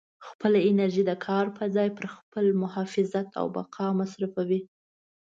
خپله انرژي د کار په ځای پر خپل محافظت او بقا مصروفوئ.